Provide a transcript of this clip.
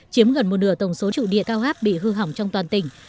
chiếm gần một nửa tổng số trụ điện cao hấp bị hư hỏng trong toàn tỉnh